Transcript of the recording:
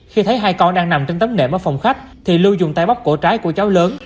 khi thấy hai con đang nằm trên tấm nệm ở phòng khách thì lưu dùng tay bóc cổ trái của cháu lớn